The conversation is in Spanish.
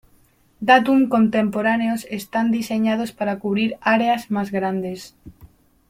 Datum contemporáneos están diseñados para cubrir áreas más grandes.